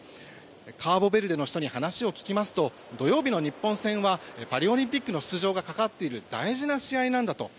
カーボベルデの人に話を聞きますと土曜日の日本戦はパリオリンピックの出場がかかっている大事な試合なんだと。